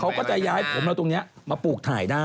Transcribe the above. เขาก็จะย้ายผมเราตรงนี้มาปลูกถ่ายได้